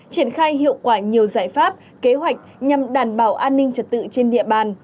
triển khai hiệu quả nhiều giải pháp kế hoạch nhằm đảm bảo an ninh trật tự trên địa bàn